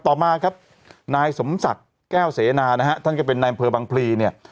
ต่อมาครับนายสมศักดิ์แก้วเสนานะฮะท่านก็เป็นนายอำเภอบังพลีเนี่ย